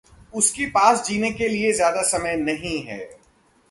उसके पास जीने के लिए ज़्यादा समय नहीं है।